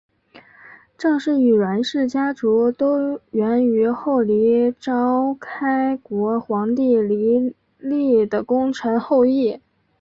郑氏与阮氏家族都源出于后黎朝开国皇帝黎利的功臣后裔。